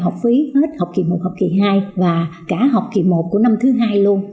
học phí hết học kỳ một học kỳ hai và cả học kỳ một của năm thứ hai luôn